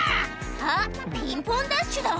あっピンポンダッシュだ